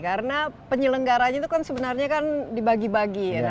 karena penyelenggaranya itu sebenarnya kan dibagi bagi